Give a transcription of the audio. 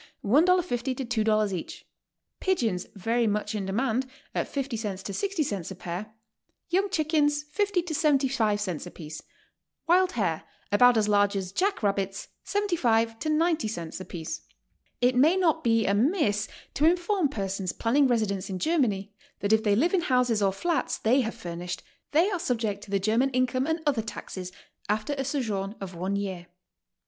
50 to $2 each, pigeons very much in demand at 50 cents to 60 cents a pair, young chickens 50 to 75 cents apiece, wild hare, about as large as jack rabbits, 75 to 90 cents apiece." It may not be amiss to inform persons planning residence in Germany that if they live in houses or flats they have fur nished, they are subject to the German income and other taxes after a sojourn of one year.